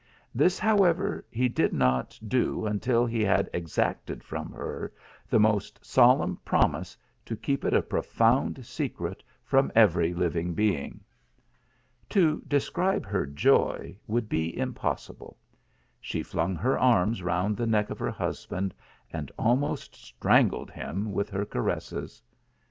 This, however, he did not do until he had exacted from her the most solemn promise to keep it a profound secret from every living being. To describe her joy would be impossible. She flung her arms round the neck of her husband, and almost strangled him with her caresses.